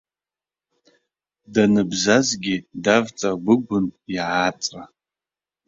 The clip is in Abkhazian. Даныбзазгьы давҵагәыгәын иааҵра.